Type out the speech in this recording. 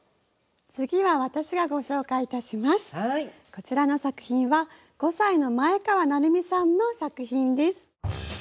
こちらの作品は５歳の前川就海さんの作品です。